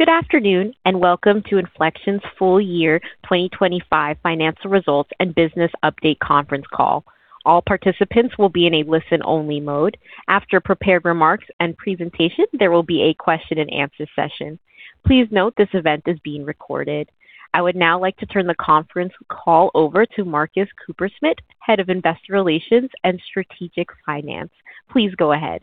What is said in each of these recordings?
Good afternoon, and welcome to Infleqtion's full year 2025 financial results and business update conference call. All participants will be in a listen-only mode. After prepared remarks and presentation, there will be a question-and-answer session. Please note this event is being recorded. I would now like to turn the conference call over to Marcus Kupferschmit, Head of Investor Relations and Strategic Finance. Please go ahead.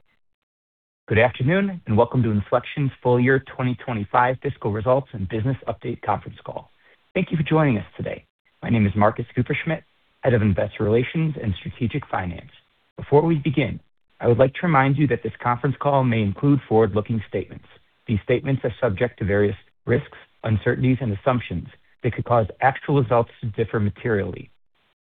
Good afternoon, and welcome to Infleqtion's full year 2025 fiscal results and business update conference call. Thank you for joining us today. My name is Marcus Kupferschmit, Head of Investor Relations and Strategic Finance. Before we begin, I would like to remind you that this conference call may include forward-looking statements. These statements are subject to various risks, uncertainties, and assumptions that could cause actual results to differ materially.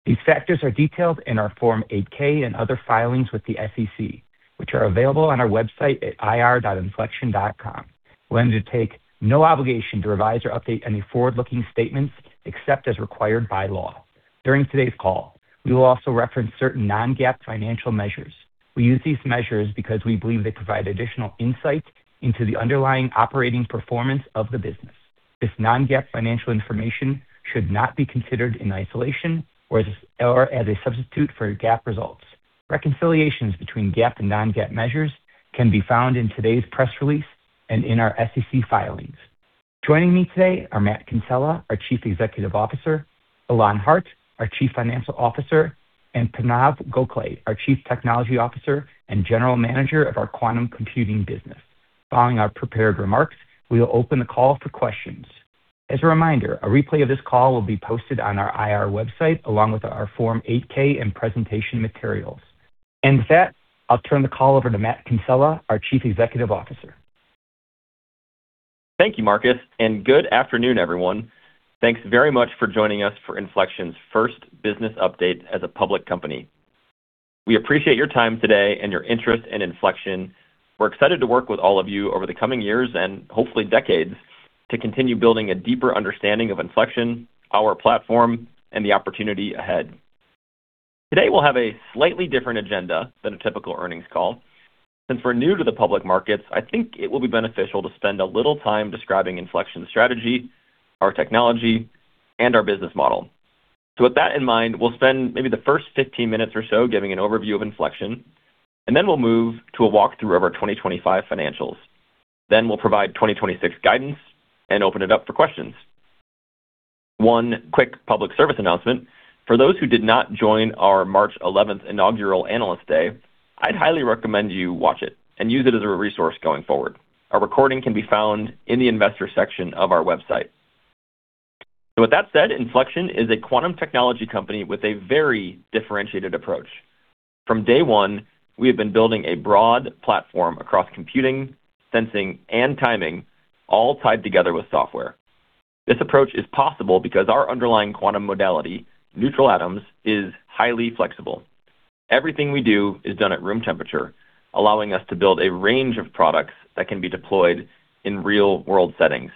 These factors are detailed in our Form 8-K and other filings with the SEC, which are available on our website at ir.infleqtion.com. We undertake no obligation to revise or update any forward-looking statements except as required by law. During today's call, we will also reference certain non-GAAP financial measures. We use these measures because we believe they provide additional insight into the underlying operating performance of the business. This non-GAAP financial information should not be considered in isolation or as a substitute for GAAP results. Reconciliations between GAAP and non-GAAP measures can be found in today's press release and in our SEC filings. Joining me today are Matt Kinsella, our Chief Executive Officer, Ilan Hart, our Chief Financial Officer, and Pranav Gokhale, our Chief Technology Officer and General Manager of our Quantum Computing business. Following our prepared remarks, we will open the call for questions. As a reminder, a replay of this call will be posted on our IR website along with our Form 8-K and presentation materials. With that, I'll turn the call over to Matt Kinsella, our Chief Executive Officer. Thank you, Marcus, and good afternoon, everyone. Thanks very much for joining us for Infleqtion's first business update as a public company. We appreciate your time today and your interest in Infleqtion. We're excited to work with all of you over the coming years and hopefully decades to continue building a deeper understanding of Infleqtion, our platform, and the opportunity ahead. Today, we'll have a slightly different agenda than a typical earnings call. Since we're new to the public markets, I think it will be beneficial to spend a little time describing Infleqtion's strategy, our technology, and our business model. With that in mind, we'll spend maybe the first 15 minutes or so giving an overview of Infleqtion, and then we'll move to a walkthrough of our 2025 financials. We'll provide 2026 guidance and open it up for questions. One quick public service announcement. For those who did not join our March 11th inaugural Analyst Day, I'd highly recommend you watch it and use it as a resource going forward. A recording can be found in the investor section of our website. With that said, Infleqtion is a quantum technology company with a very differentiated approach. From day one, we have been building a broad platform across computing, sensing, and timing, all tied together with software. This approach is possible because our underlying quantum modality, neutral atoms, is highly flexible. Everything we do is done at room temperature, allowing us to build a range of products that can be deployed in real-world settings.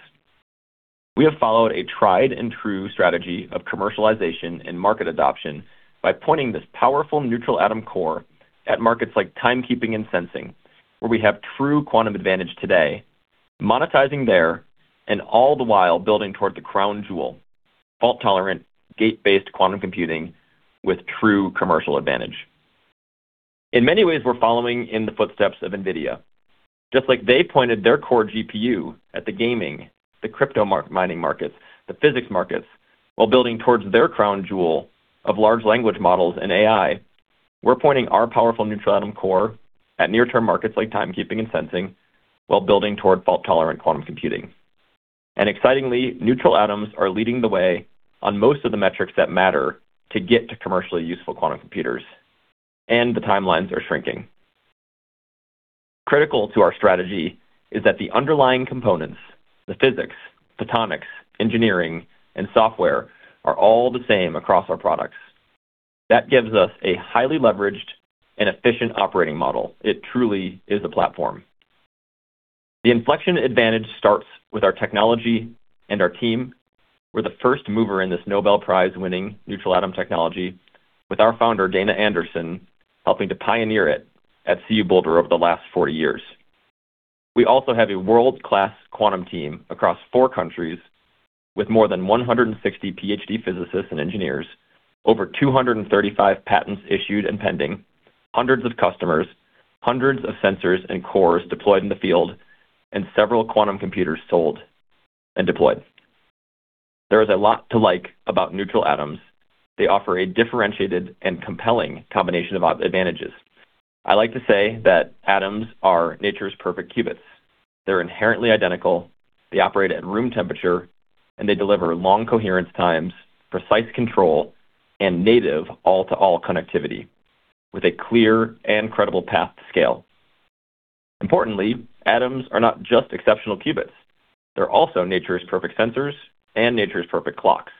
We have followed a tried and true strategy of commercialization and market adoption by pointing this powerful neutral atom core at markets like timekeeping and sensing, where we have true quantum advantage today, monetizing there, and all the while building toward the crown jewel, fault-tolerant, gate-based quantum computing with true commercial advantage. In many ways, we're following in the footsteps of NVIDIA. Just like they pointed their core GPU at the gaming, the crypto mining markets, the physics markets, while building towards their crown jewel of large language models and AI, we're pointing our powerful neutral atom core at near-term markets like timekeeping and sensing while building toward fault-tolerant quantum computing. Excitingly, neutral atoms are leading the way on most of the metrics that matter to get to commercially useful quantum computers, and the timelines are shrinking. Critical to our strategy is that the underlying components, the physics, photonics, engineering, and software, are all the same across our products. That gives us a highly leveraged and efficient operating model. It truly is a platform. The Infleqtion advantage starts with our technology and our team. We're the first mover in this Nobel Prize-winning neutral atom technology with our founder, Dana Anderson, helping to pioneer it at CU Boulder over the last 40 years. We also have a world-class quantum team across four countries with more than 160 PhD physicists and engineers, over 235 patents issued and pending, hundreds of customers, hundreds of sensors and cores deployed in the field, and several quantum computers sold and deployed. There is a lot to like about neutral atoms. They offer a differentiated and compelling combination of advantages. I like to say that atoms are nature's perfect qubits. They're inherently identical, they operate at room temperature, and they deliver long coherence times, precise control, and native all-to-all connectivity with a clear and credible path to Sqale. Importantly, atoms are not just exceptional qubits. They're also nature's perfect sensors and nature's perfect clocks.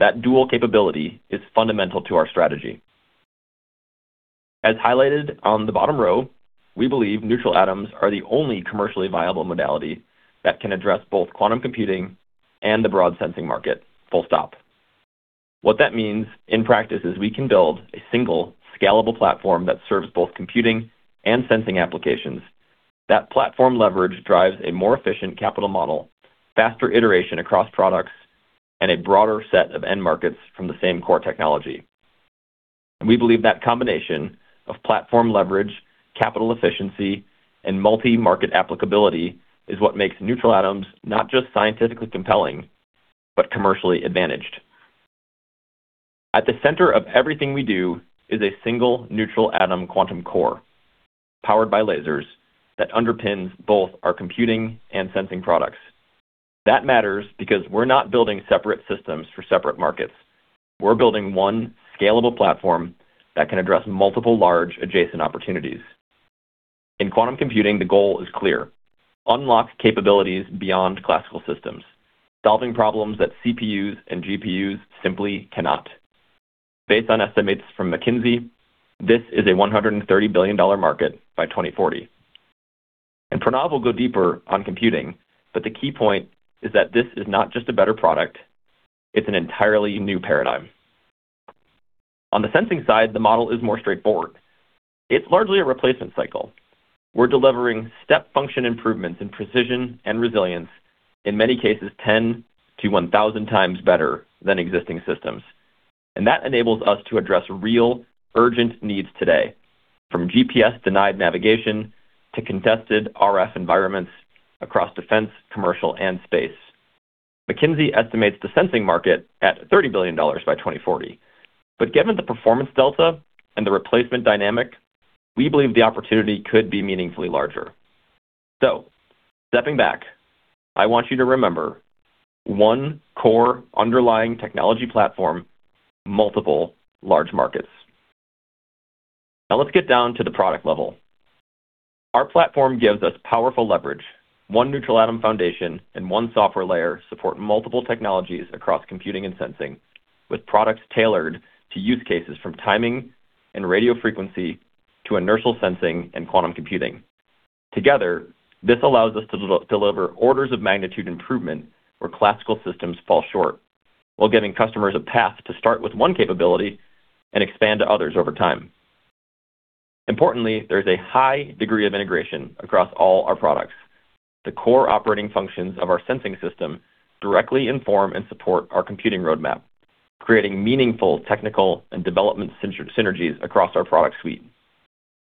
That dual capability is fundamental to our strategy. As highlighted on the bottom row, we believe neutral atoms are the only commercially viable modality that can address both quantum computing and the broad sensing market, full stop. What that means in practice is we can build a single scalable platform that serves both computing and sensing applications. That platform leverage drives a more efficient capital model, faster iteration across products, and a broader set of end markets from the same core technology. We believe that combination of platform leverage, capital efficiency, and multi-market applicability is what makes neutral atoms not just scientifically compelling, but commercially advantaged. At the center of everything we do is a single neutral atom quantum core, powered by lasers that underpins both our computing and sensing products. That matters because we're not building separate systems for separate markets. We're building one scalable platform that can address multiple large adjacent opportunities. In quantum computing, the goal is clear: unlock capabilities beyond classical systems, solving problems that CPUs and GPUs simply cannot. Based on estimates from McKinsey, this is a $130 billion market by 2040. Pranav will go deeper on computing, but the key point is that this is not just a better product, it's an entirely new paradigm. On the sensing side, the model is more straightforward. It's largely a replacement cycle. We're delivering step function improvements in precision and resilience, in many cases 10x-1,000x better than existing systems. That enables us to address real, urgent needs today, from GPS-denied navigation to contested RF environments across defense, commercial, and space. McKinsey estimates the sensing market at $30 billion by 2040. Given the performance delta and the replacement dynamic, we believe the opportunity could be meaningfully larger. Stepping back, I want you to remember one core underlying technology platform, multiple large markets. Now let's get down to the product level. Our platform gives us powerful leverage. One neutral atom foundation and one software layer support multiple technologies across computing and sensing, with products tailored to use cases from timing and radio frequency to inertial sensing and quantum computing. Together, this allows us to deliver orders of magnitude improvement where classical systems fall short while giving customers a path to start with one capability and expand to others over time. Importantly, there is a high degree of integration across all our products. The core operating functions of our sensing system directly inform and support our computing roadmap, creating meaningful technical and development synergies across our product suite.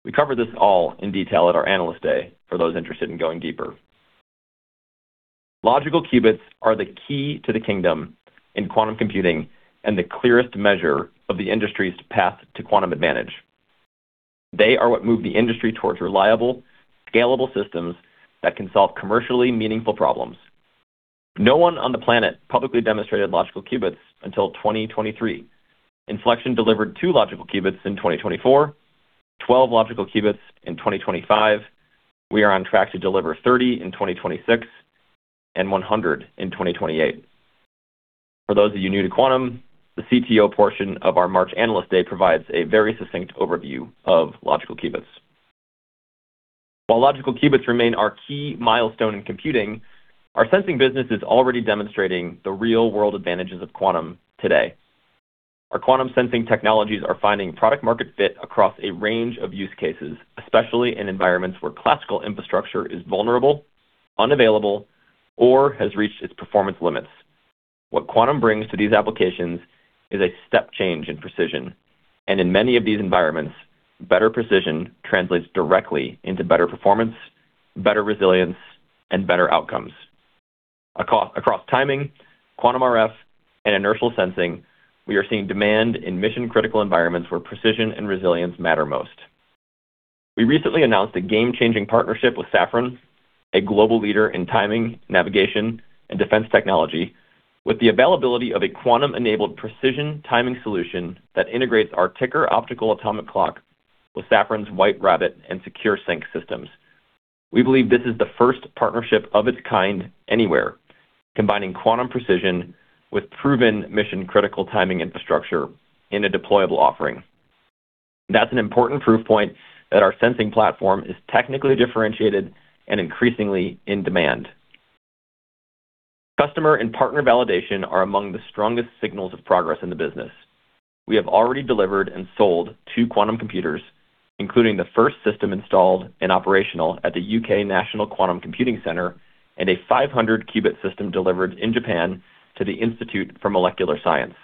We cover this all in detail at our Analyst Day for those interested in going deeper. Logical qubits are the key to the kingdom in quantum computing and the clearest measure of the industry's path to quantum advantage. They are what move the industry towards reliable, scalable systems that can solve commercially meaningful problems. No one on the planet publicly demonstrated logical qubits until 2023. Infleqtion delivered 2 logical qubits in 2024, 12 logical qubits in 2025. We are on track to deliver 30 in 2026 and 100 in 2028. For those of you new to quantum, the CTO portion of our March Analyst Day provides a very succinct overview of logical qubits. While logical qubits remain our key milestone in computing, our sensing business is already demonstrating the real-world advantages of quantum today. Our quantum sensing technologies are finding product-market fit across a range of use cases, especially in environments where classical infrastructure is vulnerable, unavailable, or has reached its performance limits. What quantum brings to these applications is a step change in precision, and in many of these environments, better precision translates directly into better performance, better resilience, and better outcomes. Across timing, quantum RF, and inertial sensing, we are seeing demand in mission-critical environments where precision and resilience matter most. We recently announced a game-changing partnership with Safran, a global leader in timing, navigation, and defense technology, with the availability of a quantum-enabled precision timing solution that integrates our tiqker optical atomic clock with Safran's White Rabbit and SecureSync systems. We believe this is the first partnership of its kind anywhere, combining quantum precision with proven mission-critical timing infrastructure in a deployable offering. That's an important proof point that our sensing platform is technically differentiated and increasingly in demand. Customer and partner validation are among the strongest signals of progress in the business. We have already delivered and sold two quantum computers, including the first system installed and operational at the U.K. National Quantum Computing Center and a 500-qubit system delivered in Japan to the Institute for Molecular Science.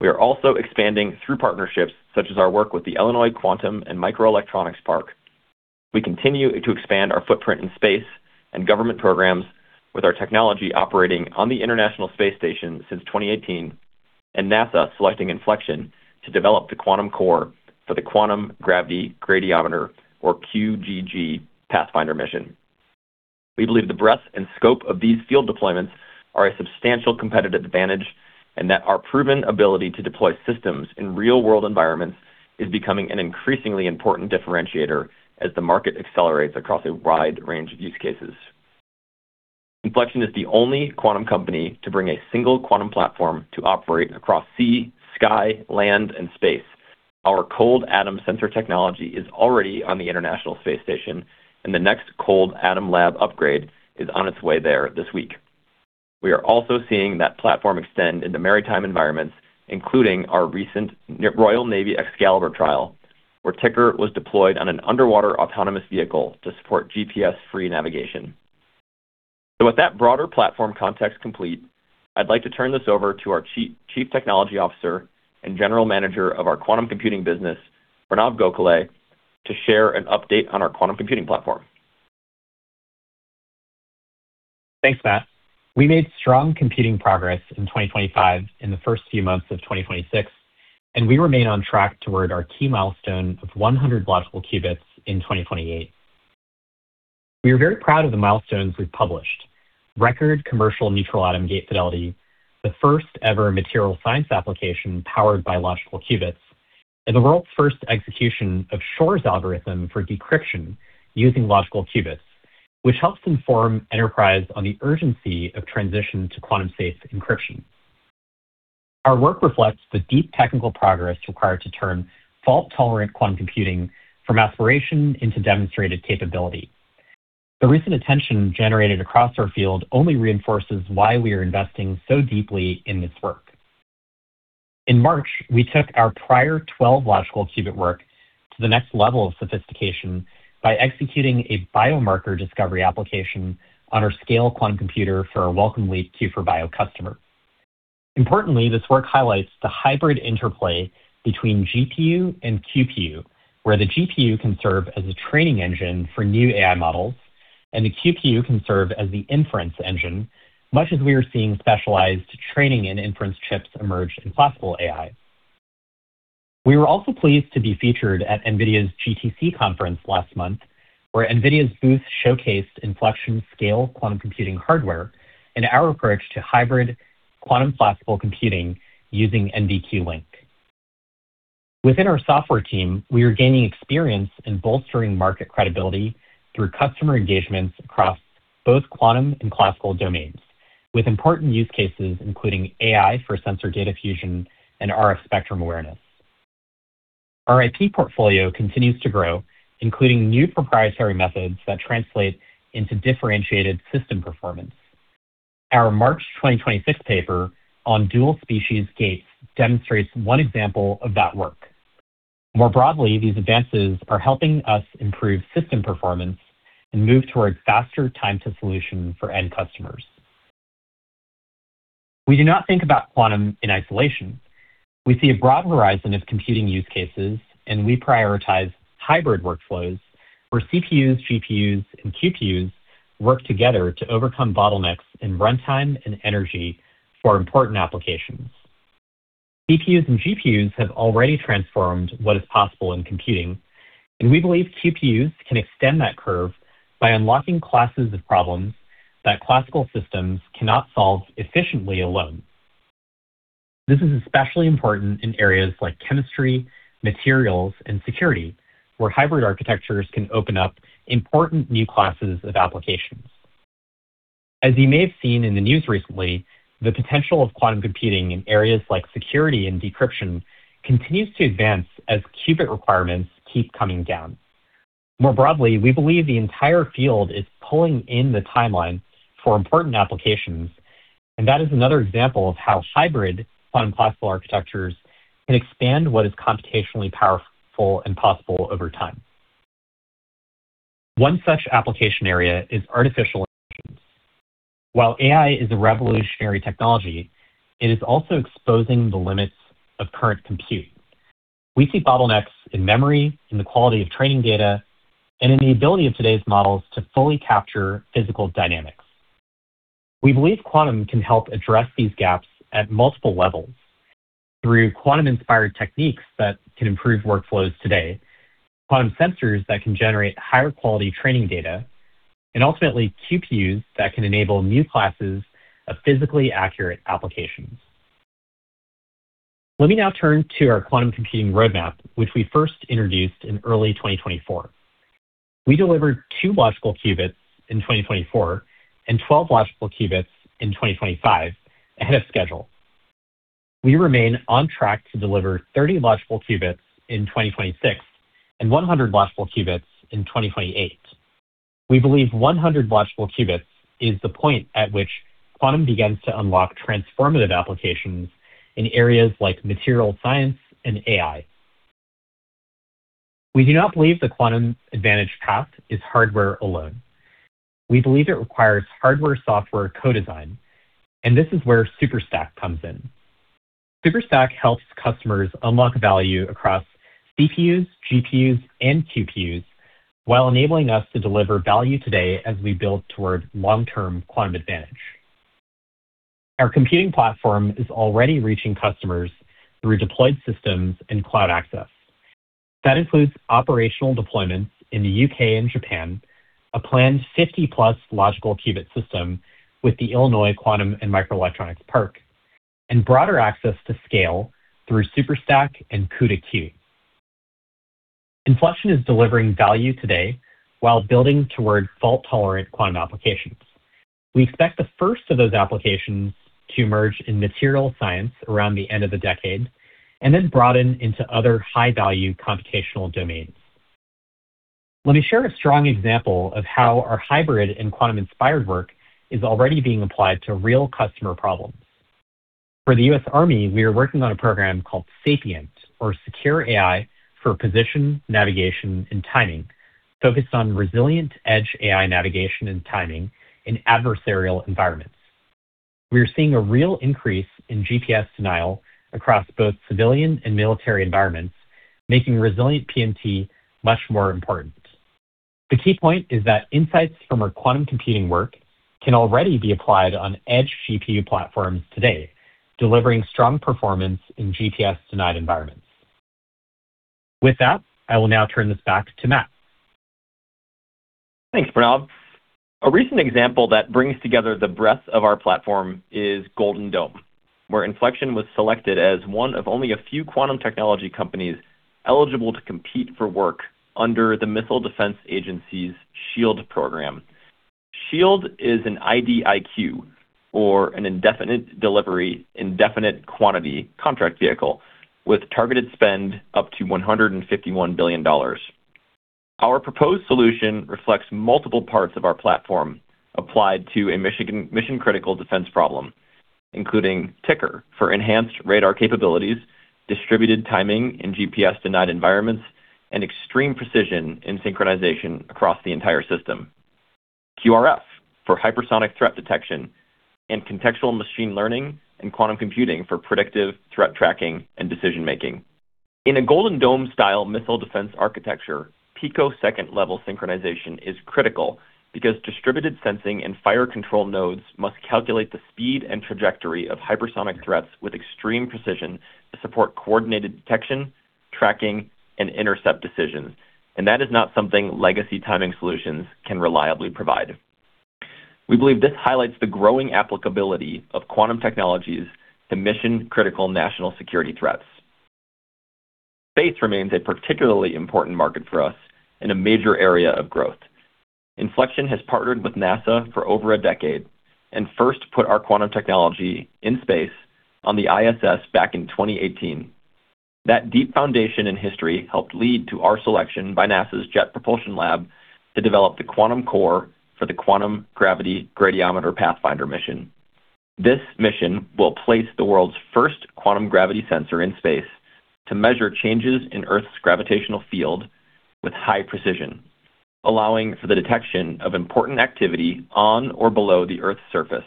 We are also expanding through partnerships such as our work with the Illinois Quantum & Microelectronics Park. We continue to expand our footprint in space and government programs with our technology operating on the International Space Station since 2018 and NASA selecting Infleqtion to develop the quantum core for the Quantum Gravity Gradiometer, or QGG, Pathfinder mission. We believe the breadth and scope of these field deployments are a substantial competitive advantage, and that our proven ability to deploy systems in real-world environments is becoming an increasingly important differentiator as the market accelerates across a wide range of use cases. Infleqtion is the only quantum company to bring a single quantum platform to operate across sea, sky, land, and space. Our cold atom sensor technology is already on the International Space Station, and the next Cold Atom Lab upgrade is on its way there this week. We are also seeing that platform extend into maritime environments, including our recent Royal Navy Excalibur trial, where Tiqker was deployed on an underwater autonomous vehicle to support GPS-free navigation. With that broader platform context complete, I'd like to turn this over to our Chief Technology Officer and General Manager of our quantum computing business, Pranav Gokhale, to share an update on our quantum computing platform. Thanks, Matt. We made strong competing progress in 2025, in the first few months of 2026, and we remain on track toward our key milestone of 100 logical qubits in 2028. We are very proud of the milestones we've published. Record commercial neutral atom gate fidelity, the first ever material science application powered by logical qubits, and the world's first execution of Shor's algorithm for decryption using logical qubits, which helps inform enterprise on the urgency of transition to quantum safe encryption. Our work reflects the deep technical progress required to turn fault-tolerant quantum computing from aspiration into demonstrated capability. The recent attention generated across our field only reinforces why we are investing so deeply in this work. In March, we took our prior 12 logical qubit work to the next level of sophistication by executing a biomarker discovery application on our Sqale quantum computer for our Wellcome Leap Q4Bio customer. Importantly, this work highlights the hybrid interplay between GPU and QPU, where the GPU can serve as a training engine for new AI models, and the QPU can serve as the inference engine, much as we are seeing specialized training and inference chips emerge in classical AI. We were also pleased to be featured at NVIDIA's GTC conference last month, where NVIDIA's booth showcased Infleqtion Sqale quantum computing hardware and our approach to hybrid quantum classical computing using NVQLink. Within our software team, we are gaining experience in bolstering market credibility through customer engagements across both quantum and classical domains, with important use cases including AI for sensor data fusion and RF spectrum awareness. Our IP portfolio continues to grow, including new proprietary methods that translate into differentiated system performance. Our March 2026 paper on dual-species gates demonstrates one example of that work. More broadly, these advances are helping us improve system performance and move towards faster time-to-solution for end customers. We do not think about quantum in isolation. We see a broad horizon of computing use cases, and we prioritize hybrid workflows where CPUs, GPUs, and QPUs work together to overcome bottlenecks in runtime and energy for important applications. CPUs and GPUs have already transformed what is possible in computing, and we believe QPUs can extend that curve by unlocking classes of problems that classical systems cannot solve efficiently alone. This is especially important in areas like chemistry, materials, and security, where hybrid architectures can open up important new classes of applications. As you may have seen in the news recently, the potential of quantum computing in areas like security and decryption continues to advance as qubit requirements keep coming down. More broadly, we believe the entire field is pulling in the timeline for important applications, and that is another example of how hybrid quantum classical architectures can expand what is computationally powerful and possible over time. One such application area is artificial intelligence. While AI is a revolutionary technology, it is also exposing the limits of current compute. We see bottlenecks in memory, in the quality of training data, and in the ability of today's models to fully capture physical dynamics. We believe quantum can help address these gaps at multiple levels through quantum-inspired techniques that can improve workflows today, quantum sensors that can generate higher quality training data, and ultimately, QPUs that can enable new classes of physically accurate applications. Let me now turn to our quantum computing roadmap, which we first introduced in early 2024. We delivered 2 logical qubits in 2024 and 12 logical qubits in 2025, ahead of schedule. We remain on track to deliver 30 logical qubits in 2026 and 100 logical qubits in 2028. We believe 100 logical qubits is the point at which quantum begins to unlock transformative applications in areas like material science and AI. We do not believe the quantum advantage path is hardware alone. We believe it requires hardware-software co-design, and this is where Superstaq comes in. Superstaq helps customers unlock value across CPUs, GPUs, and QPUs while enabling us to deliver value today as we build toward long-term quantum advantage. Our computing platform is already reaching customers through deployed systems and cloud access. That includes operational deployments in the U.K. and Japan, a planned 50+ logical qubit system with the Illinois Quantum & Microelectronics Park, and broader access to Sqale through Superstaq and CUDA-Q. Infleqtion is delivering value today while building toward fault-tolerant quantum applications. We expect the first of those applications to emerge in material science around the end of the decade, and then broaden into other high-value computational domains. Let me share a strong example of how our hybrid and quantum-inspired work is already being applied to real customer problems. For the U.S. Army, we are working on a program called SAPIENT, or Secured AI for Positioning at the Edge, Navigation, and Timing, focused on resilient edge AI navigation and timing in adversarial environments. We are seeing a real increase in GPS denial across both civilian and military environments, making resilient PNT much more important. The key point is that insights from our quantum computing work can already be applied on edge GPU platforms today, delivering strong performance in GPS-denied environments. With that, I will now turn this back to Matt. Thanks, Pranav. A recent example that brings together the breadth of our platform is Golden Dome, where Infleqtion was selected as one of only a few quantum technology companies eligible to compete for work under the Missile Defense Agency's SHIELD program. SHIELD is an IDIQ, or an indefinite delivery/indefinite quantity contract vehicle with targeted spend up to $151 billion. Our proposed solution reflects multiple parts of our platform applied to a mission-critical defense problem, including Tiqker for enhanced radar capabilities, distributed timing in GPS-denied environments, and extreme precision in synchronization across the entire system. QRF for hypersonic threat detection, and contextual machine learning and quantum computing for predictive threat tracking and decision-making. In a Golden Dome style missile defense architecture, picosecond-level synchronization is critical because distributed sensing and fire control nodes must calculate the speed and trajectory of hypersonic threats with extreme precision to support coordinated detection, tracking, and intercept decisions, and that is not something legacy timing solutions can reliably provide. We believe this highlights the growing applicability of quantum technologies to mission-critical national security threats. Space remains a particularly important market for us and a major area of growth. Infleqtion has partnered with NASA for over a decade and first put our quantum technology in space on the ISS back in 2018. That deep foundation and history helped lead to our selection by NASA's Jet Propulsion Laboratory to develop the quantum core for the Quantum Gravity Gradiometer Pathfinder mission. This mission will place the world's first quantum gravity sensor in space to measure changes in Earth's gravitational field with high precision, allowing for the detection of important activity on or below the Earth's surface.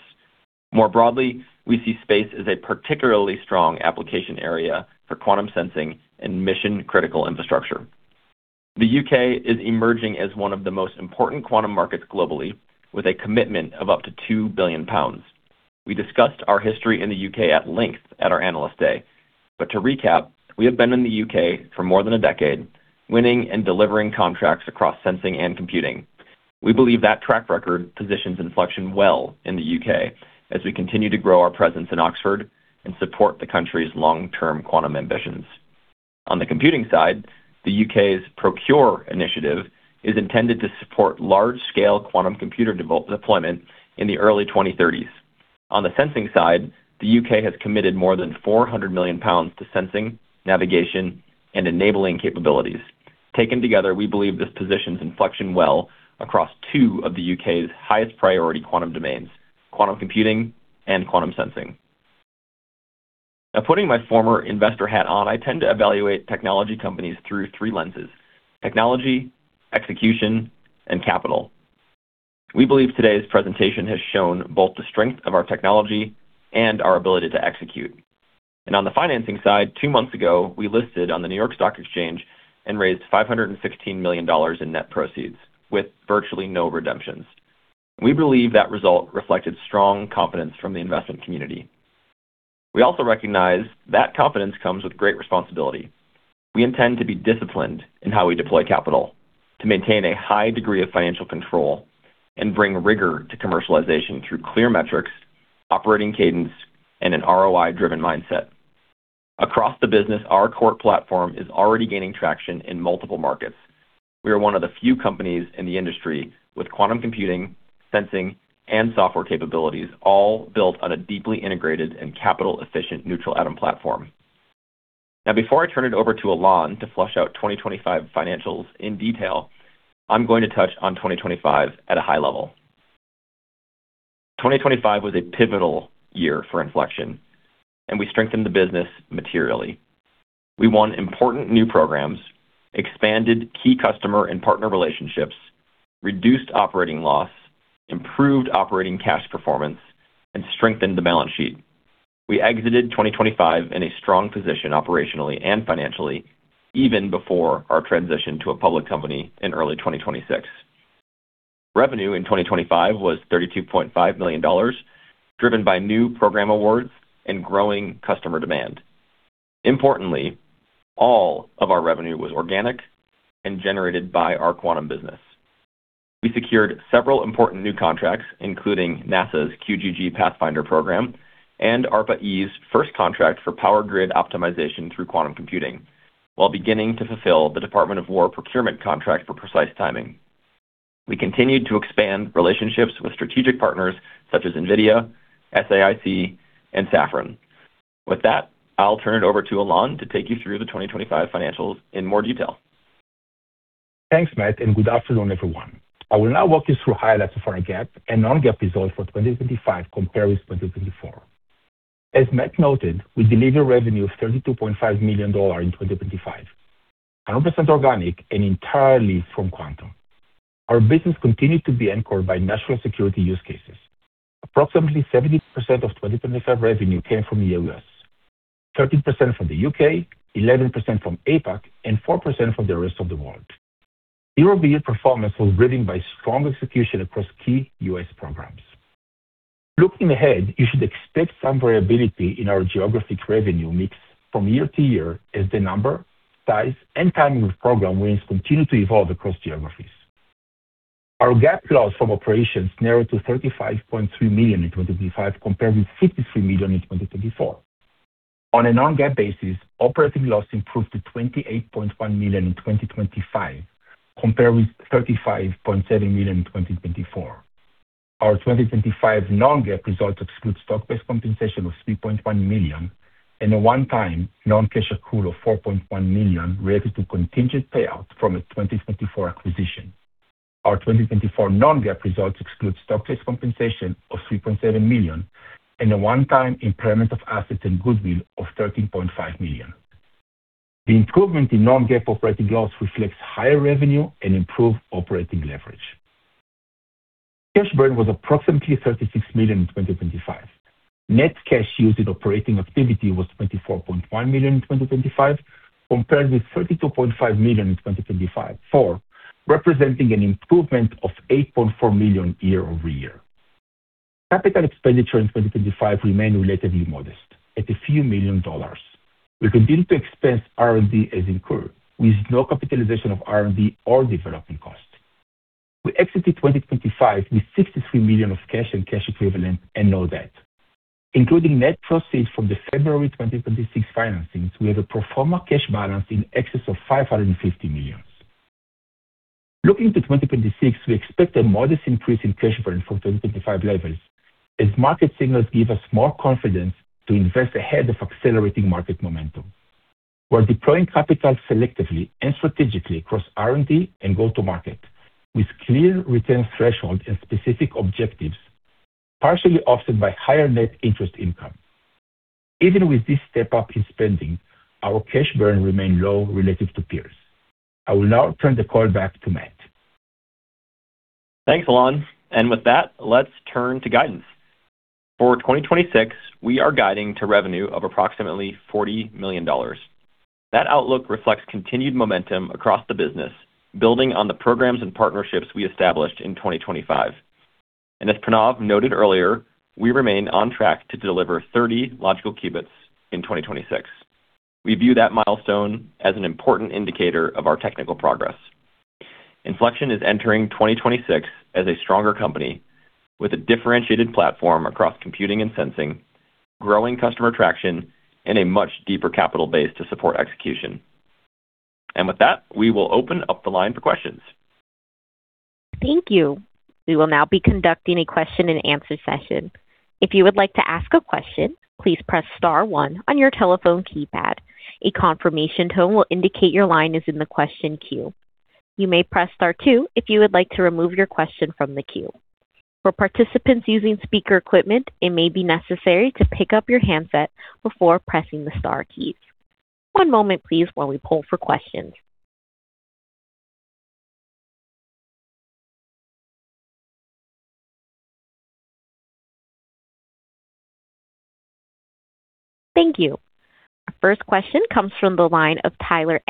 More broadly, we see space as a particularly strong application area for quantum sensing and mission-critical infrastructure. The U.K. is emerging as one of the most important quantum markets globally with a commitment of up to 2 billion pounds. We discussed our history in the U.K. at length at our Analyst Day. To recap, we have been in the U.K. for more than a decade, winning and delivering contracts across sensing and computing. We believe that track record positions Infleqtion well in the U.K. as we continue to grow our presence in Oxford and support the country's long-term quantum ambitions. On the computing side, the U.K.'s ProQure initiative is intended to support large-scale quantum computer deployment in the early 2030s. On the sensing side, the U.K. Has committed more than 400 million pounds to sensing, navigation, and enabling capabilities. Taken together, we believe this positions Infleqtion well across two of the U.K.'s highest priority quantum domains, quantum computing and quantum sensing. Now putting my former investor hat on, I tend to evaluate technology companies through three lenses: technology, execution, and capital. We believe today's presentation has shown both the strength of our technology and our ability to execute. On the financing side, two months ago, we listed on the New York Stock Exchange and raised $516 million in net proceeds with virtually no redemptions. We believe that result reflected strong confidence from the investment community. We also recognize that confidence comes with great responsibility. We intend to be disciplined in how we deploy capital to maintain a high degree of financial control and bring rigor to commercialization through clear metrics, operating cadence, and an ROI-driven mindset. Across the business, our core platform is already gaining traction in multiple markets. We are one of the few companies in the industry with quantum computing, sensing, and software capabilities, all built on a deeply integrated and capital-efficient neutral atom platform. Now, before I turn it over to Ilan to flesh out 2025 financials in detail, I'm going to touch on 2025 at a high level. 2025 was a pivotal year for Infleqtion, and we strengthened the business materially. We won important new programs, expanded key customer and partner relationships, reduced operating loss, improved operating cash performance, and strengthened the balance sheet. We exited 2025 in a strong position operationally and financially, even before our transition to a public company in early 2026. Revenue in 2025 was $32.5 million, driven by new program awards and growing customer demand. Importantly, all of our revenue was organic and generated by our quantum business. We secured several important new contracts, including NASA's QGG Pathfinder program and ARPA-E's first contract for power grid optimization through quantum computing, while beginning to fulfill the Department of War procurement contract for precise timing. We continued to expand relationships with strategic partners such as NVIDIA, SAIC, and Safran. With that, I'll turn it over to Ilan to take you through the 2025 financials in more detail. Thanks, Matt, and good afternoon, everyone. I will now walk you through highlights of our GAAP and non-GAAP results for 2025 compared with 2024. As Matt noted, we delivered revenue of $32.5 million in 2025, 100% organic and entirely from quantum. Our business continued to be anchored by national security use cases. Approximately 70% of 2025 revenue came from the U.S., 13% from the U.K., 11% from APAC, and 4% from the rest of the world. Year-over-year performance was driven by strong execution across key U.S. programs. Looking ahead, you should expect some variability in our geographic revenue mix from year to year as the number, size, and timing of program wins continue to evolve across geographies. Our GAAP loss from operations narrowed to $35.3 million in 2025, compared with $53 million in 2024. On a non-GAAP basis, operating loss improved to $28.1 million in 2025, compared with $35.7 million in 2024. Our 2025 non-GAAP results exclude stock-based compensation of $3.1 million and a one-time non-cash accrual of $4.1 million related to contingent payout from a 2024 acquisition. Our 2024 non-GAAP results exclude stock-based compensation of $3.7 million and a one-time impairment of assets and goodwill of $13.5 million. The improvement in non-GAAP operating loss reflects higher revenue and improved operating leverage. Cash burn was approximately $36 million in 2025. Net cash used in operating activities was $24.1 million in 2025, compared with $32.5 million in 2024, representing an improvement of $8.4 million year-over-year. Capital expenditure in 2025 remained relatively modest, at a few million U.S. dollars. We continue to expense R&D as incurred, with no capitalization of R&D or development costs. We exited 2025 with $63 million of cash and cash equivalents and no debt. Including net proceeds from the February 2026 financings, we have a pro forma cash balance in excess of $550 million. Looking to 2026, we expect a modest increase in cash burn from 2025 levels as market signals give us more confidence to invest ahead of accelerating market momentum. We're deploying capital selectively and strategically across R&D and go-to-market with clear return thresholds and specific objectives, partially offset by higher net interest income. Even with this step-up in spending, our cash burn remains low relative to peers. I will now turn the call back to Matt. Thanks, Ilan, and with that, let's turn to guidance. For 2026, we are guiding to revenue of approximately $40 million. That outlook reflects continued momentum across the business, building on the programs and partnerships we established in 2025. As Pranav noted earlier, we remain on track to deliver 30 logical qubits in 2026. We view that milestone as an important indicator of our technical progress. Infleqtion is entering 2026 as a stronger company with a differentiated platform across computing and sensing, growing customer traction, and a much deeper capital base to support execution. With that, we will open up the line for questions. Thank you. We will now be conducting a question and answer session. If you would like to ask a question, please press star one on your telephone keypad. A confirmation tone will indicate your line is in the question queue. You may press star two if you would like to remove your question from the queue. For participants using speaker equipment, it may be necessary to pick up your handset before pressing the star keys. One moment please while we poll for questions. Thank you. Our first question comes from the line of Tyler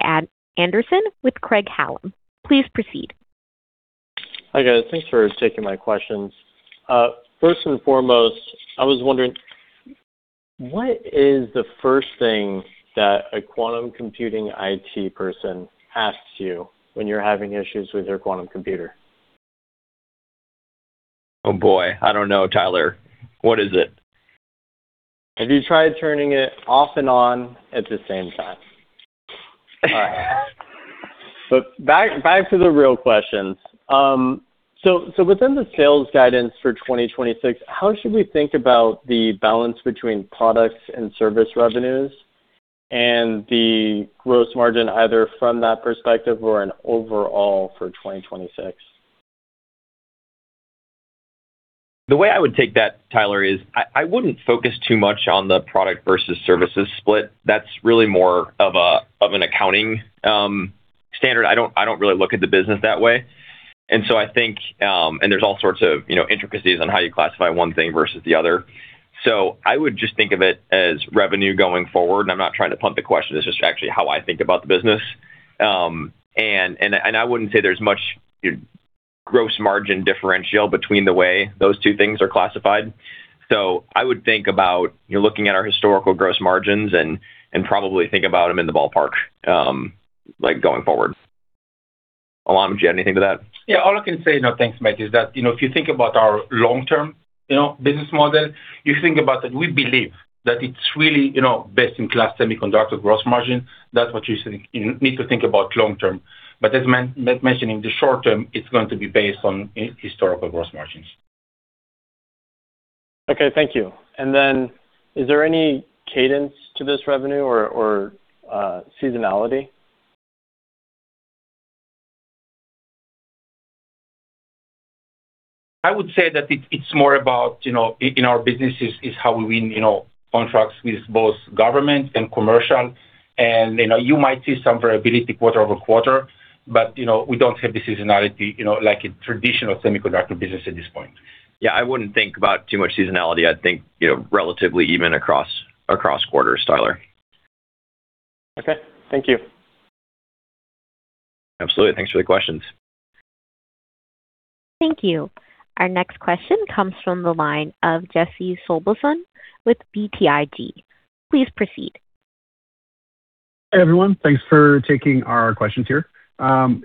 Anderson with Craig-Hallum. Please proceed. Hi, guys. Thanks for taking my questions. First and foremost, I was wondering, what is the first thing that a quantum computing IT person asks you when you're having issues with your quantum computer? Oh boy, I don't know, Tyler. What is it? Have you tried turning it off and on at the same time? Back to the real questions. Within the sales guidance for 2026, how should we think about the balance between products and service revenues and the gross margin, either from that perspective or overall for 2026? The way I would take that, Tyler, is I wouldn't focus too much on the product versus services split. That's really more of an accounting standard. I don't really look at the business that way. There's all sorts of intricacies on how you classify one thing versus the other. I would just think of it as revenue going forward, and I'm not trying to pump the question, it's just actually how I think about the business. I wouldn't say there's much gross margin differential between the way those two things are classified. I would think about looking at our historical gross margins and probably think about them in the ballpark going forward. Ilan, would you add anything to that? Yeah. All I can say, thanks, Matt, is that if you think about our long-term business model, you think about that we believe that it's really best-in-class semiconductor gross margin. That's what you need to think about long-term. As mentioned, in the short term, it's going to be based on historical gross margins. Okay, thank you. Is there any cadence to this revenue or seasonality? I would say that it's more about, in our businesses, is how we win contracts with both government and commercial. You might see some variability quarter-over-quarter, but we don't have the seasonality like a traditional semiconductor business at this point. Yeah, I wouldn't think about too much seasonality. I'd think relatively even across quarters, Tyler. Okay. Thank you. Absolutely. Thanks for the questions. Thank you. Our next question comes from the line of Jesse Sobelson with BTIG. Please proceed. Hey, everyone. Thanks for taking our questions here.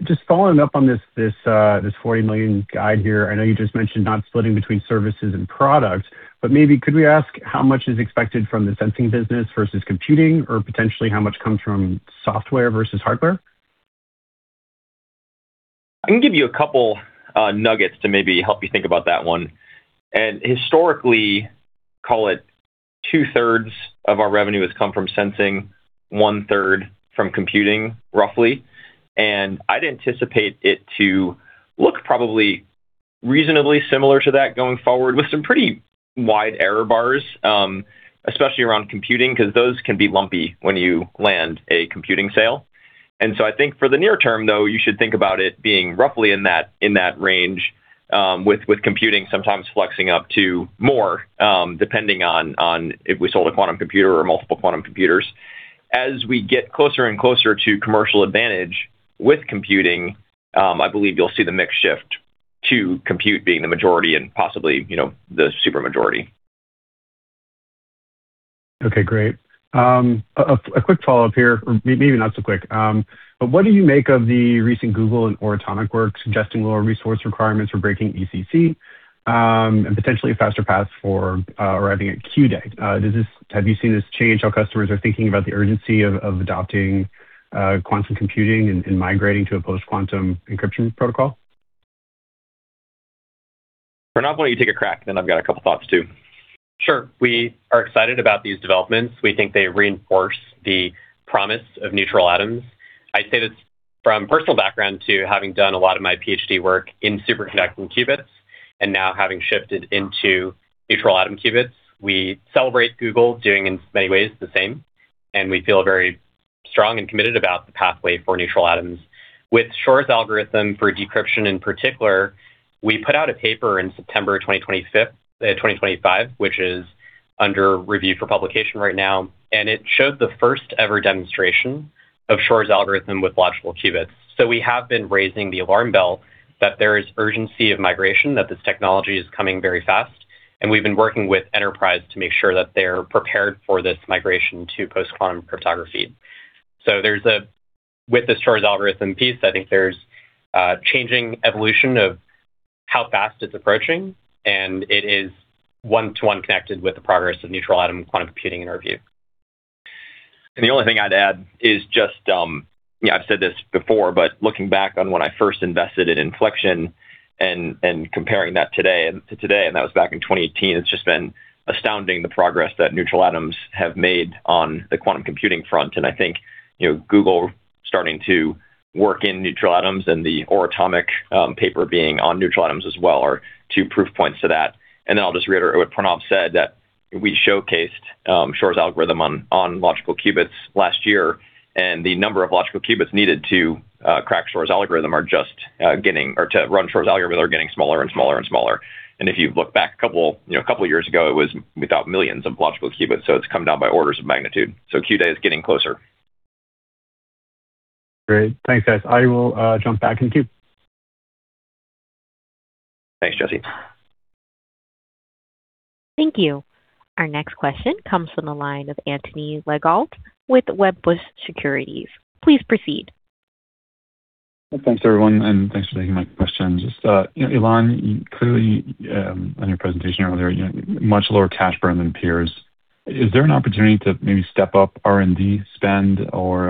Just following up on this $40 million guide here. I know you just mentioned not splitting between services and product, but maybe could we ask how much is expected from the sensing business versus computing, or potentially how much comes from software versus hardware? I can give you a couple nuggets to maybe help you think about that one. Historically, call it 2/3 of our revenue has come from sensing, 1/3 from computing, roughly. I'd anticipate it to look probably reasonably similar to that going forward with some pretty wide error bars, especially around computing, because those can be lumpy when you land a computing sale. I think for the near term, though, you should think about it being roughly in that range with computing sometimes flexing up to more, depending on if we sold a quantum computer or multiple quantum computers. As we get closer and closer to commercial advantage with computing, I believe you'll see the mix shift to compute being the majority and possibly the super majority. Okay, great. A quick follow-up here, or maybe not so quick. What do you make of the recent Google and Oratomic work suggesting lower resource requirements for breaking ECC, and potentially a faster path for arriving at Q-Day? Have you seen this change how customers are thinking about the urgency of adopting quantum computing and migrating to a post-quantum encryption protocol? Pranav, why don't you take a crack? I've got a couple thoughts, too. Sure. We are excited about these developments. We think they reinforce the promise of neutral atoms. I say this from personal background to having done a lot of my PhD work in superconducting qubits and now having shifted into neutral atom qubits. We celebrate Google doing, in many ways, the same, and we feel very strong and committed about the pathway for neutral atoms. With Shor's algorithm for decryption in particular, we put out a paper in September 2025, which is under review for publication right now, and it showed the first-ever demonstration of Shor's algorithm with logical qubits. We have been raising the alarm bell that there is urgency of migration, that this technology is coming very fast, and we've been working with enterprise to make sure that they're prepared for this migration to post-quantum cryptography. With this Shor's algorithm piece, I think there's a changing evolution of how fast it's approaching, and it is one-to-one connected with the progress of neutral atom quantum computing, in our view. The only thing I'd add is just, I've said this before, but looking back on when I first invested in Infleqtion and comparing that to today, and that was back in 2018, it's just been astounding the progress that neutral atoms have made on the quantum computing front. I think Google starting to work in neutral atoms and the Oratomic paper being on neutral atoms as well are two proof points to that. Then I'll just reiterate what Pranav said, that we showcased Shor's algorithm on logical qubits last year, and the number of logical qubits needed to run Shor's algorithm are getting smaller and smaller and smaller. If you look back a couple years ago, it was without millions of logical qubits, so it's come down by orders of magnitude. Q-Day is getting closer. Great. Thanks, guys. I will jump back in queue. Thanks, Jesse. Thank you. Our next question comes from the line of Antoine Legault with Wedbush Securities. Please proceed. Thanks, everyone, and thanks for taking my question. Just, Ilan, clearly on your presentation earlier, much lower cash burn than peers. Is there an opportunity to maybe step up R&D spend or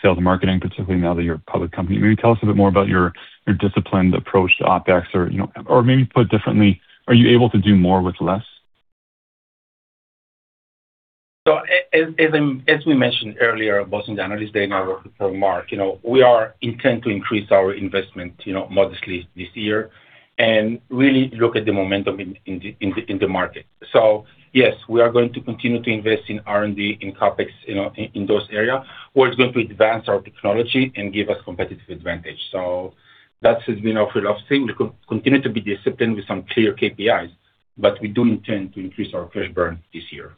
sales and marketing, particularly now that you're a public company? Maybe tell us a bit more about your disciplined approach to OpEx or, maybe put differently, are you able to do more with less? As we mentioned earlier, both in the Analyst Day and our remark, we intend to increase our investment modestly this year and really look at the momentum in the market. Yes, we are going to continue to invest in R&D, in CapEx, in those areas where it's going to advance our technology and give us competitive advantage. That has been our philosophy. We continue to be disciplined with some clear KPIs, but we do intend to increase our cash burn this year.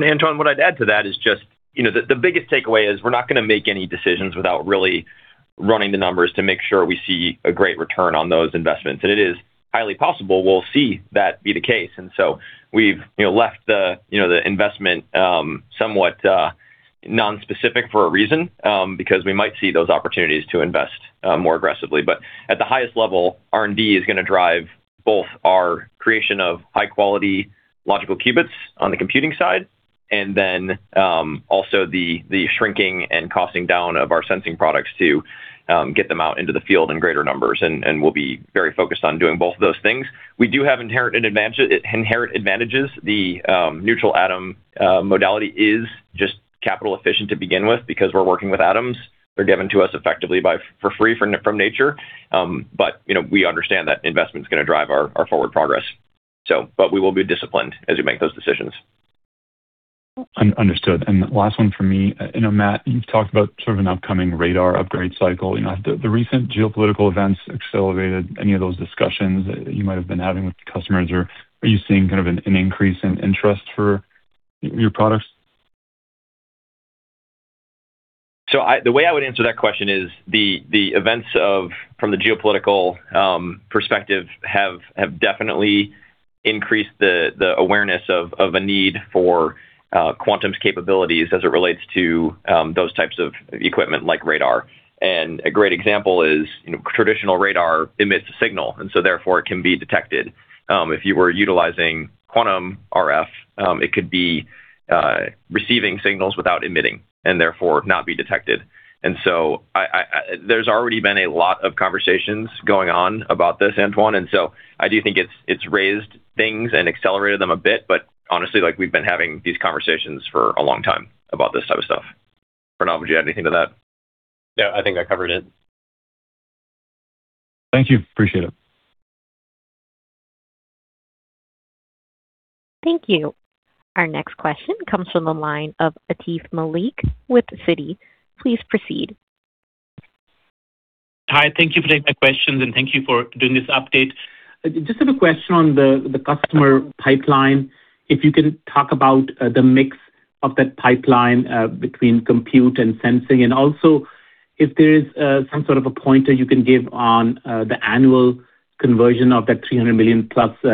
Antoine, what I'd add to that is just, the biggest takeaway is we're not going to make any decisions without really running the numbers to make sure we see a great return on those investments. It is highly possible we'll see that be the case. We've left the investment somewhat non-specific for a reason, because we might see those opportunities to invest more aggressively. At the highest level, R&D is going to drive both our creation of high-quality logical qubits on the computing side, and then also the shrinking and costing down of our sensing products to get them out into the field in greater numbers. We'll be very focused on doing both of those things. We do have inherent advantages. The neutral atom modality is just capital efficient to begin with because we're working with atoms. They're given to us effectively for free from nature. We understand that investment's going to drive our forward progress. We will be disciplined as we make those decisions. Understood. Last one from me. Matt, you've talked about sort of an upcoming radar upgrade cycle. Have the recent geopolitical events accelerated any of those discussions that you might have been having with customers, or are you seeing kind of an increase in interest for your products? The way I would answer that question is the events from the geopolitical perspective have definitely increased the awareness of a need for quantum's capabilities as it relates to those types of equipment like radar. A great example is traditional radar emits a signal, and so therefore it can be detected. If you were utilizing quantum RF, it could be receiving signals without emitting, and therefore not be detected. There's already been a lot of conversations going on about this, Antoine, and so I do think it's raised things and accelerated them a bit, but honestly, we've been having these conversations for a long time about this type of stuff. Pranav, would you add anything to that? Yeah, I think I covered it. Thank you. Appreciate it. Thank you. Our next question comes from the line of Atif Malik with Citi. Please proceed. Hi, thank you for taking my questions, and thank you for doing this update. Just have a question on the customer pipeline. If you can talk about the mix of that pipeline between compute and sensing, and also if there is some sort of a pointer you can give on the annual conversion of that $300 million+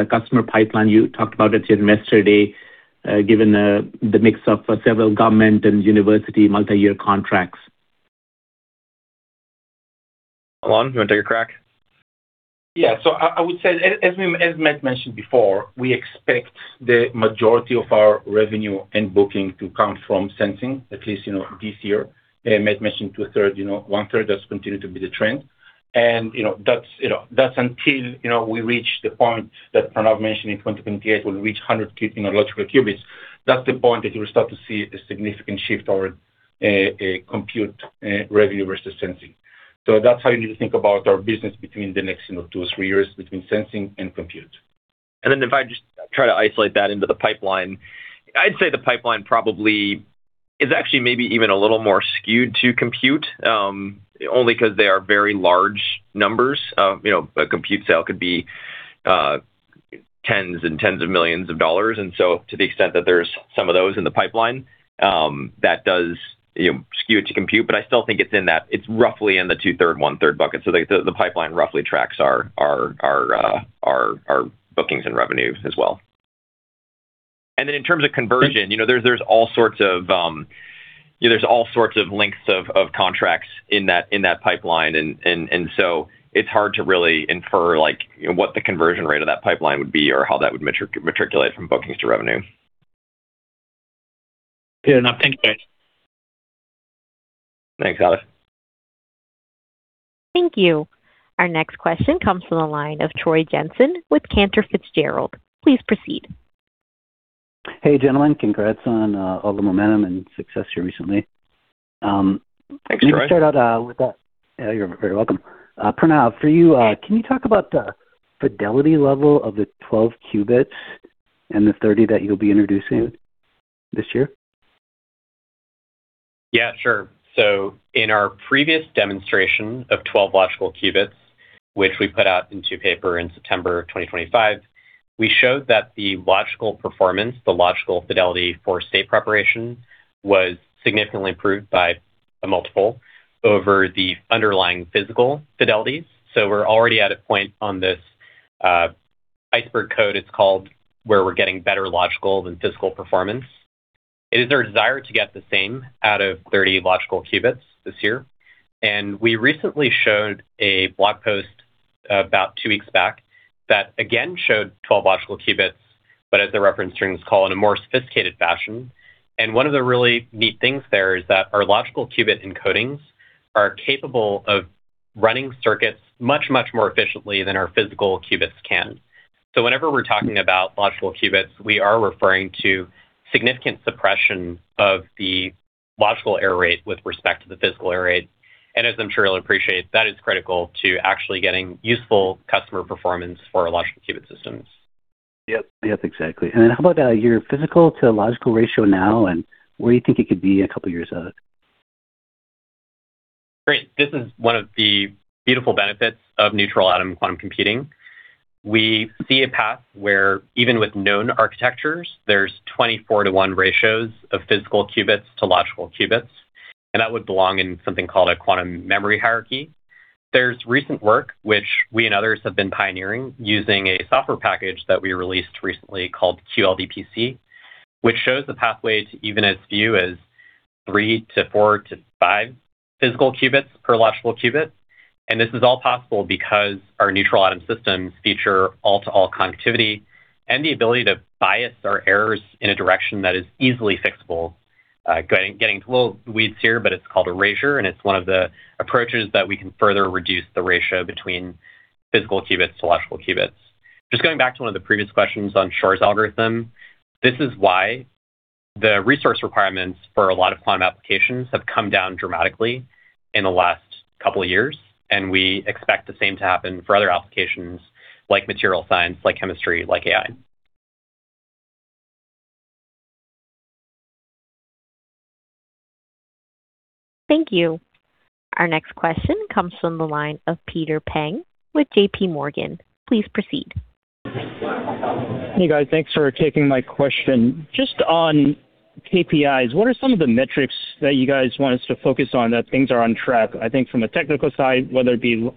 customer pipeline you talked about at your Investor Day, given the mix of several government and university multiyear contracts? Ilan, you want to take a crack? Yeah. I would say, as Matt mentioned before, we expect the majority of our revenue and booking to come from sensing, at least this year. Matt mentioned 2/3, 1/3 has continued to be the trend. That's until we reach the point that Pranav mentioned in 2028, we'll reach 100 logical qubits. That's the point that you'll start to see a significant shift toward a compute revenue versus sensing. That's how you need to think about our business between the next two, three years between sensing and compute. If I just try to isolate that into the pipeline, I'd say the pipeline probably is actually maybe even a little more skewed to compute, only because they are very large numbers. A compute sale could be tens and tens of millions of dollars, and so to the extent that there's some of those in the pipeline, that does skew it to compute. I still think it's roughly in the 2/3, 1/3 bucket, so the pipeline roughly tracks our bookings and revenues as well. In terms of conversion, there's all sorts of lengths of contracts in that pipeline, and so it's hard to really infer what the conversion rate of that pipeline would be or how that would materialize from bookings to revenue. Fair enough. Thank you. Thanks, Atif. Thank you. Our next question comes from the line of Troy Jensen with Cantor Fitzgerald. Please proceed. Hey, gentlemen. Congrats on all the momentum and success here recently. Thanks, Troy. Yeah, you're very welcome. Pranav, for you, can you talk about the fidelity level of the 12 qubits and the 30 qubits that you'll be introducing this year? Yeah, sure. In our previous demonstration of 12 logical qubits, which we put out in a paper in September 2025, we showed that the logical performance, the logical fidelity for state preparation, was significantly improved by a multiple over the underlying physical fidelities. We're already at a point on this iceberg code, it's called, where we're getting better logical than physical performance. It is our desire to get the same out of 30 logical qubits this year. We recently showed a blog post about two weeks back that again showed 12 logical qubits, but as the reference strings scale in a more sophisticated fashion. One of the really neat things there is that our logical qubit encodings are capable of running circuits much, much more efficiently than our physical qubits can. Whenever we're talking about logical qubits, we are referring to significant suppression of the logical error rate with respect to the physical error rate. As I'm sure you'll appreciate, that is critical to actually getting useful customer performance for our logical qubit systems. Yep. Yep, exactly. How about your physical to logical ratio now, and where do you think it could be in a couple years out? Great. This is one of the beautiful benefits of neutral atom quantum computing. We see a path where even with known architectures, there's 24:1 ratios of physical qubits to logical qubits, and that would belong in something called a quantum memory hierarchy. There's recent work, which we and others have been pioneering, using a software package that we released recently called QLDPC, which shows the pathway to even as few as 3 to 4 to 5 physical qubits per logical qubit. This is all possible because our neutral atom systems feature all-to-all connectivity and the ability to bias our errors in a direction that is easily fixable. Getting into little weeds here, but it's called erasure, and it's one of the approaches that we can further reduce the ratio between physical qubits to logical qubits. Just going back to one of the previous questions on Shor's algorithm, this is why the resource requirements for a lot of quantum applications have come down dramatically in the last couple of years, and we expect the same to happen for other applications like material science, like chemistry, like AI. Thank you. Our next question comes from the line of Peter Peng with JPMorgan. Please proceed. Hey, guys. Thanks for taking my question. Just on KPIs, what are some of the metrics that you guys want us to focus on that things are on track? I think from a technical side, whether it be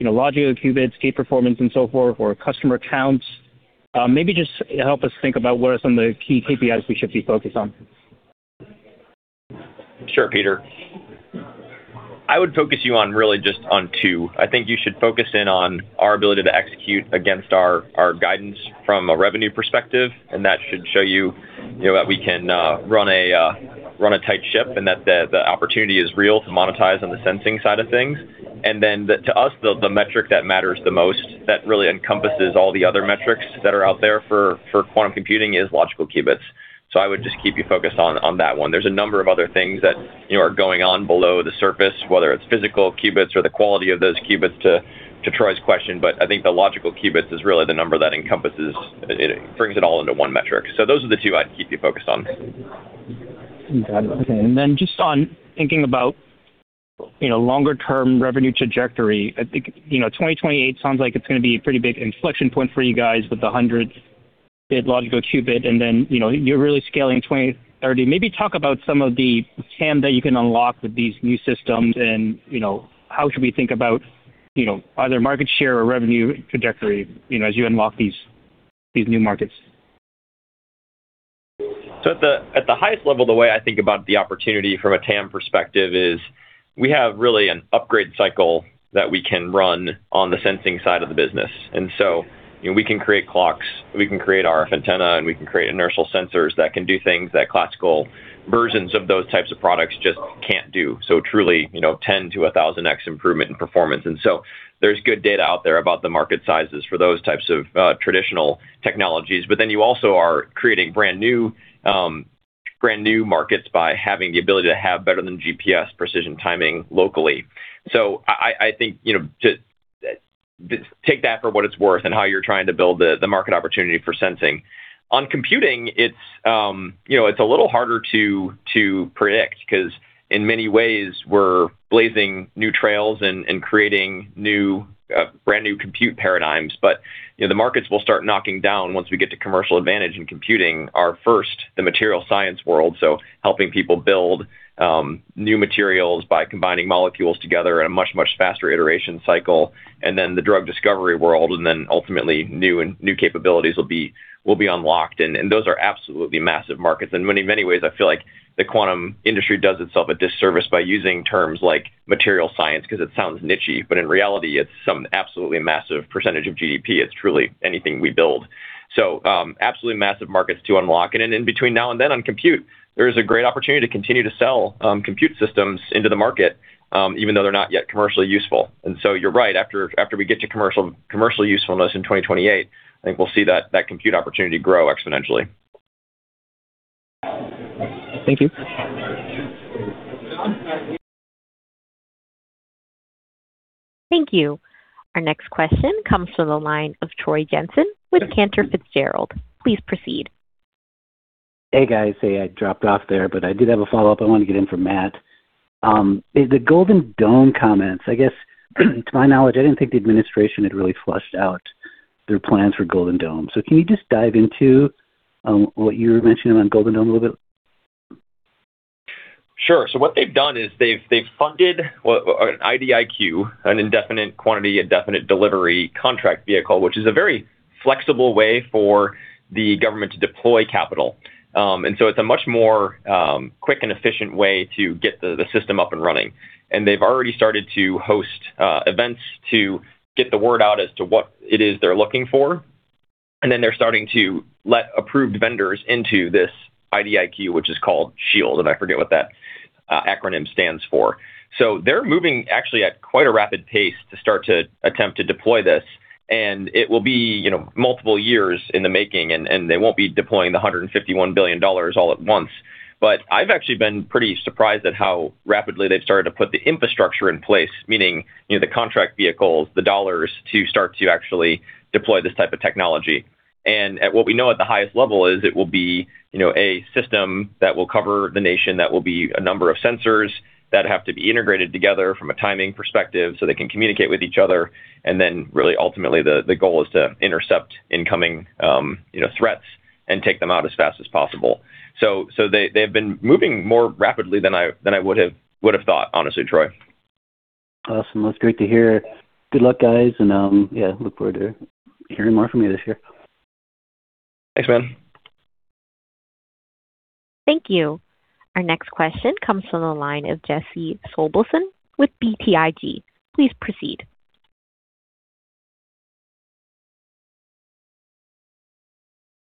logical qubits, gate performance, and so forth, or customer counts, maybe just help us think about what are some of the key KPIs we should be focused on. Sure, Peter. I would focus you on really just on two. I think you should focus in on our ability to execute against our guidance from a revenue perspective, and that should show you that we can run a tight ship and that the opportunity is real to monetize on the sensing side of things. Then to us, the metric that matters the most, that really encompasses all the other metrics that are out there for quantum computing, is logical qubits. I would just keep you focused on that one. There's a number of other things that are going on below the surface, whether it's physical qubits or the quality of those qubits, to Troy's question. I think the logical qubits is really the number that encompasses. It brings it all into one metric. Those are the two I'd keep you focused on. Got it. Okay. Just on thinking about longer-term revenue trajectory, I think 2028 sounds like it's going to be a pretty big inflection point for you guys with the 100-bit logical qubit, and then you're really scaling in 2030. Maybe talk about some of the TAM that you can unlock with these new systems and how should we think about either market share or revenue trajectory as you unlock these new markets? At the highest level, the way I think about the opportunity from a TAM perspective is we have really an upgrade cycle that we can run on the sensing side of the business. We can create clocks, we can create RF antenna, and we can create inertial sensors that can do things that classical versions of those types of products just can't do. Truly 10x-1,000x improvement in performance. There's good data out there about the market sizes for those types of traditional technologies. You also are creating brand-new markets by having the ability to have better than GPS precision timing locally. I think, take that for what it's worth and how you're trying to build the market opportunity for sensing. On computing, it's a little harder to predict because in many ways, we're blazing new trails and creating brand-new compute paradigms. The markets will start knocking down once we get to commercial advantage in computing our first the material science world, so helping people build new materials by combining molecules together at a much, much faster iteration cycle, and then the drug discovery world, and then ultimately new capabilities will be unlocked. Those are absolutely massive markets. In many ways, I feel like the quantum industry does itself a disservice by using terms like material science because it sounds niche-y, but in reality, it's some absolutely massive percentage of GDP. It's truly anything we build. Absolutely massive markets to unlock. In between now and then on compute, there is a great opportunity to continue to sell compute systems into the market, even though they're not yet commercially useful. You're right, after we get to commercial usefulness in 2028, I think we'll see that compute opportunity grow exponentially. Thank you. Thank you. Our next question comes to the line of Troy Jensen with Cantor Fitzgerald. Please proceed. Hey, guys. Hey, I dropped off there, but I did have a follow-up I wanted to get in for Matt. The Golden Dome comments, I guess to my knowledge, I didn't think the administration had really flushed out their plans for Golden Dome. Can you just dive into what you were mentioning on Golden Dome a little bit? Sure. What they've done is they've funded an IDIQ, an indefinite quantity/indefinite delivery contract vehicle, which is a very flexible way for the government to deploy capital. It's a much more quick and efficient way to get the system up and running. They've already started to host events to get the word out as to what it is they're looking for. They're starting to let approved vendors into this IDIQ, which is called SHIELD, and I forget what that acronym stands for. They're moving actually at quite a rapid pace to start to attempt to deploy this. It will be multiple years in the making, and they won't be deploying the $151 billion all at once. I've actually been pretty surprised at how rapidly they've started to put the infrastructure in place, meaning the contract vehicles, the dollars to start to actually deploy this type of technology. What we know at the highest level is it will be a system that will cover the nation, that will be a number of sensors that have to be integrated together from a timing perspective so they can communicate with each other. Then really ultimately, the goal is to intercept incoming threats and take them out as fast as possible. They've been moving more rapidly than I would've thought honestly, Troy. Awesome. Well, it's great to hear. Good luck, guys, and yeah, look forward to hearing more from you this year. Thanks, man. Thank you. Our next question comes from the line of Jesse Sobelson with BTIG. Please proceed.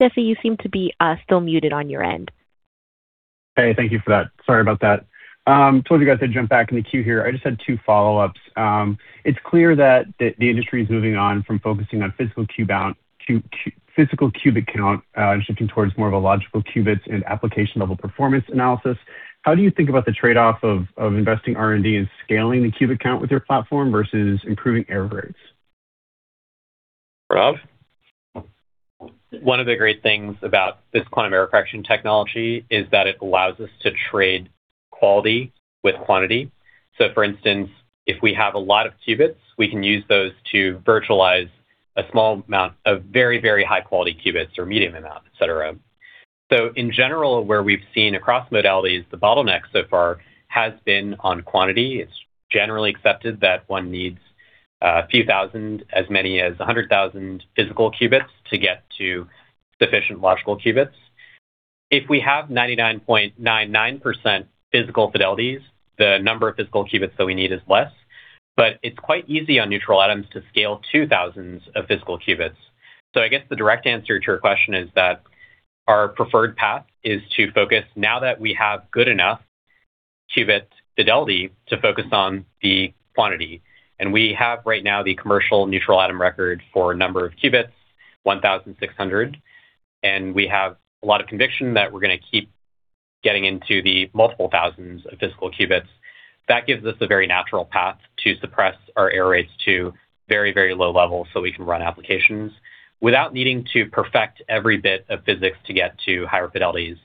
Jesse, you seem to be still muted on your end. Hey, thank you for that. Sorry about that. Told you guys I'd jump back in the queue here. I just had two follow-ups. It's clear that the industry's moving on from focusing on physical qubit count and shifting towards more of a logical qubits and application-level performance analysis. How do you think about the trade-off of investing R&D and scaling the qubit count with your platform versus improving error rates? Pranav? One of the great things about this quantum error correction technology is that it allows us to trade quality with quantity. For instance, if we have a lot of qubits, we can use those to virtualize a small amount of very, very high-quality qubits or medium amount, et cetera. In general, where we've seen across modalities, the bottleneck so far has been on quantity. It's generally accepted that one needs a few thousand, as many as 100,000 physical qubits to get to sufficient logical qubits. If we have 99.99% physical fidelities, the number of physical qubits that we need is less, but it's quite easy on neutral atoms to scale to thousands of physical qubits. I guess the direct answer to your question is that our preferred path is to focus, now that we have good enough qubit fidelity, to focus on the quantity. We have right now the commercial neutral atom record for number of qubits, 1,600 qubits, and we have a lot of conviction that we're gonna keep getting into the multiple thousands of physical qubits. That gives us a very natural path to suppress our error rates to very, very low levels so we can run applications without needing to perfect every bit of physics to get to higher fidelities.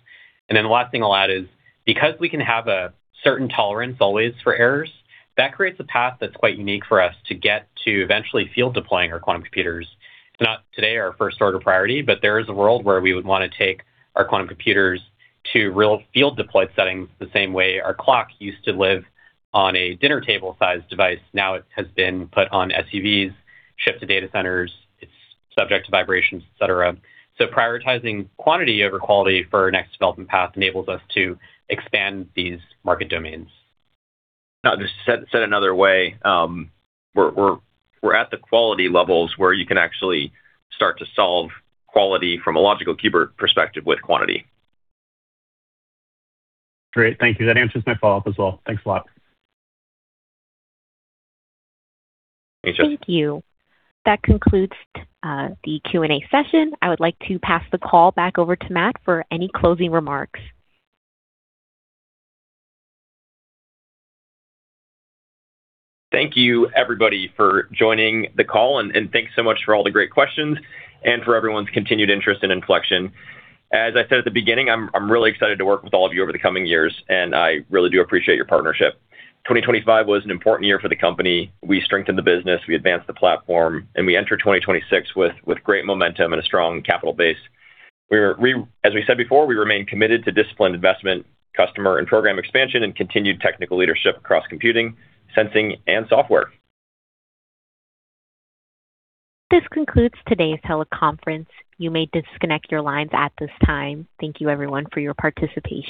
The last thing I'll add is, because we can have a certain tolerance always for errors, that creates a path that's quite unique for us to get to eventually field deploying our quantum computers. It's not today our first order priority, but there is a world where we would wanna take our quantum computers to real field deployed settings the same way our clock used to live on a dinner table-sized device, now it has been put on SUVs, shipped to data centers, it's subject to vibrations, et cetera. Prioritizing quantity over quality for our next development path enables us to expand these market domains. Now, just said another way, we're at the quality levels where you can actually start to solve quality from a logical qubit perspective with quantity. Great. Thank you. That answers my follow-up as well. Thanks a lot. Thanks, Jesse. Thank you. That concludes the Q&A session. I would like to pass the call back over to Matt for any closing remarks. Thank you everybody for joining the call, and thanks so much for all the great questions and for everyone's continued interest in Infleqtion. As I said at the beginning, I'm really excited to work with all of you over the coming years, and I really do appreciate your partnership. 2025 was an important year for the company. We strengthened the business, we advanced the platform, and we enter 2026 with great momentum and a strong capital base. As we said before, we remain committed to disciplined investment, customer and program expansion, and continued technical leadership across computing, sensing, and software. This concludes today's teleconference. You may disconnect your lines at this time. Thank you everyone for your participation.